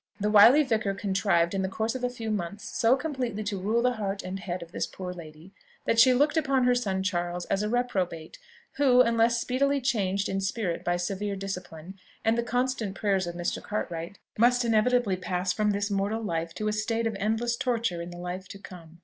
The wily vicar contrived in the course of a few months so completely to rule the heart and head of this poor lady, that she looked upon her son Charles as a reprobate, who, unless speedily changed in spirit by severe discipline and the constant prayers of Mr. Cartwright, must inevitably pass from this mortal life to a state of endless torture in the life to come.